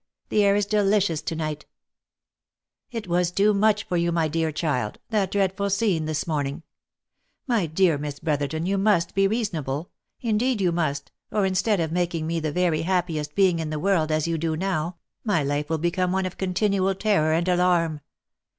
The air is delicious to night/* " It was too much for you, my dear child, that dreadful scene this morning ! My dear Miss Brotherton you must be reasonable, indeed you must, or instead of making me the very happiest being in the world as you do now, my life will become one of continual terror and alarm.